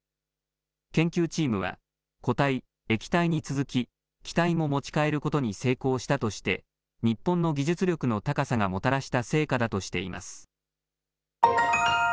研究チームは、固体、液体に続き、気体も持ち帰ることに成功したとして、日本の技術力の高さがもたらした成果だとしています。